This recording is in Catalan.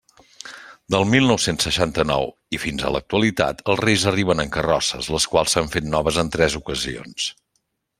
Del mil nou-cents seixanta-nou i fins a l'actualitat, els Reis arriben en carrosses, les quals s'han fet noves en tres ocasions.